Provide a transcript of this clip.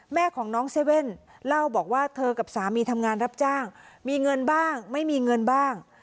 แม่ของน้องเซเว่นเล่าบอกว่าเธอกับสามีทำงานรับจ้างมีเงินบ้างไม่มีเงินบ้าง